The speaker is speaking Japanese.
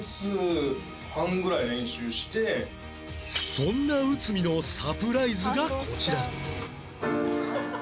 そんな内海のサプライズがこちら